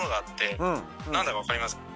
☎何だか分かります？